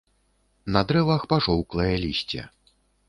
На дрэвах пажоўклае лісце.